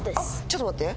ちょっと待って。